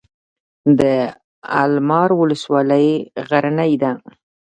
د المار ولسوالۍ غرنۍ ده